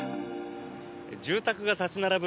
住宅が立ち並ぶ